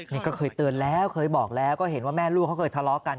นี่ก็เคยเตือนแล้วเคยบอกแล้วก็เห็นว่าแม่ลูกเขาเคยทะเลาะกัน